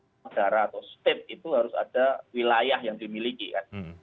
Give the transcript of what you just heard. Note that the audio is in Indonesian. nah karena mereka sudah sudah berada di negara atau state itu harus ada wilayah yang dimiliki kan